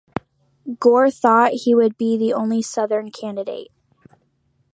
Gore thought he would be the only Southern candidate.